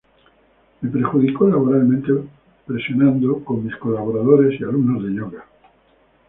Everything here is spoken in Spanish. Me perjudicó laboralmente presionando, con mis colaboradores y alumnos de yoga.